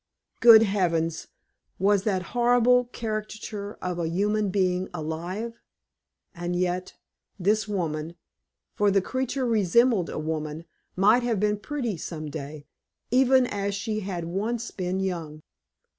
Good heavens! was that horrible caricature of a human being alive? And yet, this woman for the creature resembled a woman might have been pretty some day, even as she had once been young.